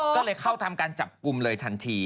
ก็เลยเข้าทำการจับกลุ่มเลยทันที